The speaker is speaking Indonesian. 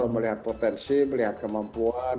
melihat potensi melihat kemampuan